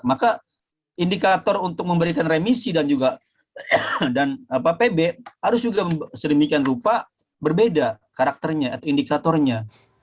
maka indikator untuk memberikan remisi dan juga pb harus juga sedemikian rupa berbeda karakternya atau indikatornya